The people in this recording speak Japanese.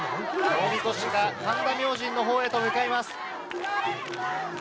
おみこしが神田明神の方へと向かいます。